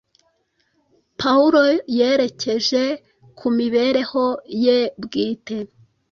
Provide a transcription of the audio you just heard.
Pawulo yerekeje ku mibereho ye bwite,